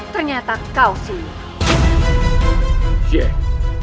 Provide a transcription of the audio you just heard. ternyata kau sini